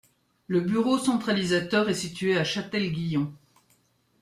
Le bureau centralisateur est situé à Châtel-Guyon.